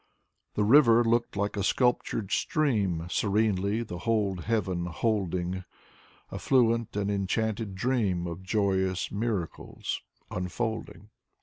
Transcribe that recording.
The river looked a sculptured stream, Serenely the whole heaven holding, — A fluent and enchanted dream Of joyous miracles unfolding.